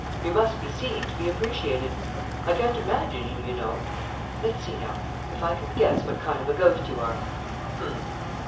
You must be seen to be appreciated. I can't imagine you, you know. Let's see, now, if I can guess what kind of a ghost you are. Um!